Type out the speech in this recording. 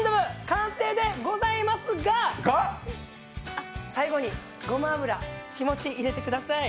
完成でございますが最後にごま油、気持ち入れてください。